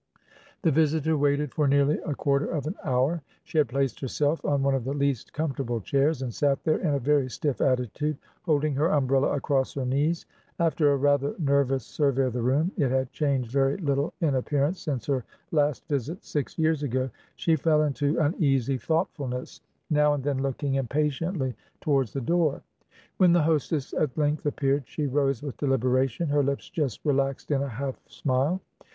The visitor waited for nearly a quarter of an hour. She had placed herself on one of the least comfortable chairs, and sat there in a very stiff attitude, holding her umbrella across her knees. After a rather nervous survey of the room, (it had changed very little in appearance since her last visit six years ago), she fell into uneasy thoughtfulness, now and then looking impatiently towards the door. When the hostess at length appeared, she rose with deliberation, her lips just relaxed in a half smile.